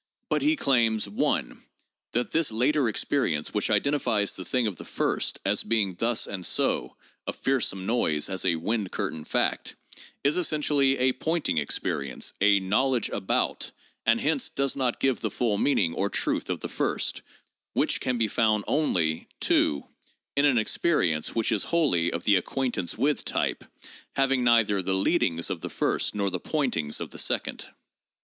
But he claims (1) that this later experience which identifies the thing of the first as being thus and so (a fearsome noise as a wind curtain fact) is essentially a 'pointing' experience, a 'knowledge about,' and hence does not give the full meaning or truth of the first, which can be found only (2) in an experience which is wholly of the 'ac quaintance with' type, having neither the 'leadings' of the first nor the 'pointings' of the second.